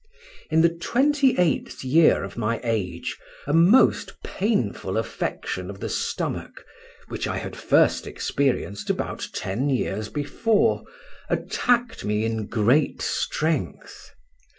In the twenty eighth year of my age a most painful affection of the stomach, which I had first experienced about ten years before, attacked me in great strength.